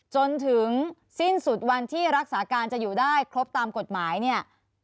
จนถึงสิ้นสุดวันที่รักษาการจะอยู่ได้ครบตามกฎหมายเนี่ย